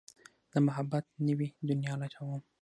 د محبت نوې دنيا لټوم